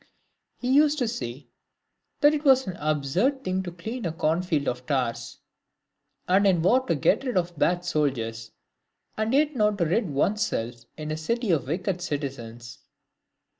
He used to say, " that it was an absurd thing to clean a corn field of tares, and in war to get rid of bad soldiers, and yet not to rid one's self in a city of the wicked citizens."